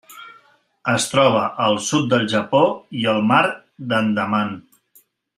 Es troba al sud del Japó i el mar d'Andaman.